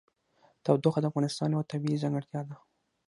تودوخه د افغانستان یوه طبیعي ځانګړتیا ده.